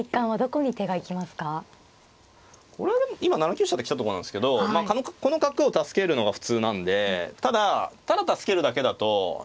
これはでも今７九飛車で来たとこなんですけどまあこの角を助けるのが普通なんでただただ助けるだけだと何か弱いじゃないですか。